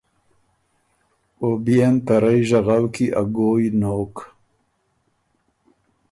او بيې ن ته رئ ژغؤ کی ا ګویٛ نوک۔